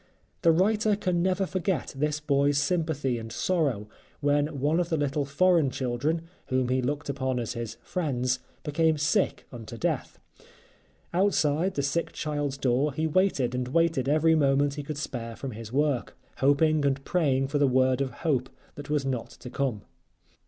The writer can never forget this boy's sympathy and sorrow when one of the little foreign children, whom he looked upon as his friends, became sick unto death. Outside the sick child's door he waited and waited every moment he could spare from his work, hoping and praying for the word of hope that was not to come.